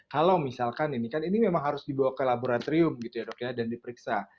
kalau misalkan ini kan ini memang harus dibawa ke laboratorium gitu ya dok ya dan diperiksa